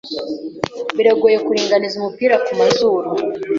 Biragoye kuringaniza umupira kumazuru.